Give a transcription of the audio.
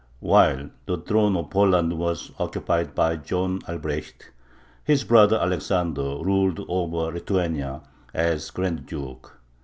While the throne of Poland was occupied by John Albrecht, his brother Alexander ruled over Lithuania as grand duke.